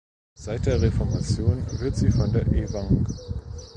Seit der Reformation wird sie von der Evang.